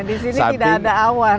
disini tidak ada awan